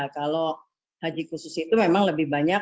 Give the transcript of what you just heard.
kalau haji khusus itu memang lebih banyak